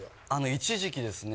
一時期ですね